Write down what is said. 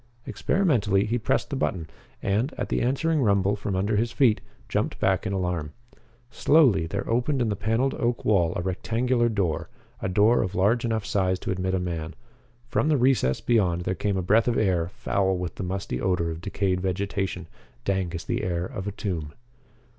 Experimentally he pressed the button, and, at the answering rumble from under his feet, jumped back in alarm. Slowly there opened in the paneled oak wall a rectangular door, a door of large enough size to admit a man. From the recess beyond there came a breath of air, foul with the musty odor of decayed vegetation, dank as the air of a tomb.